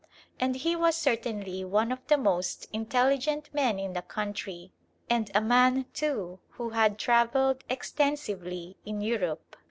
And he was certainly one of the most intelligent men in the country, and a man, too, who had travelled extensively in Europe.